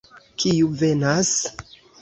Kiu venas?